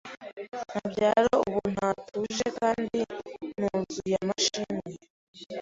ntabyar ubu ndatuje kandi nuzuye amashimwe